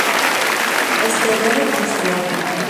استعداد دوستیابی